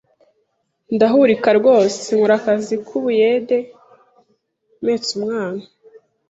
ndahurika rwose nkora akazi k’ubuyede mpetse umwana